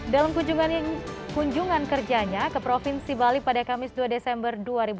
dalam kunjungan kerjanya ke provinsi bali pada kamis dua desember dua ribu dua puluh